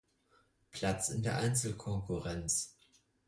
Platz in der Einzelkonkurrenz.